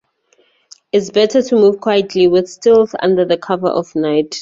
It's better to move quietly, with stealth, under the cover of night.